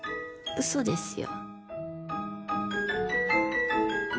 嘘ですよ。